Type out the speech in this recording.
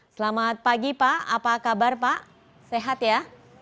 selamat pagi pak apa kabar pak sehat ya